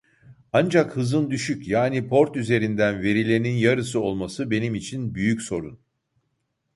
Ancak hızın düşük yani port üzerinden verilenin yarısı olması benim için büyük sorun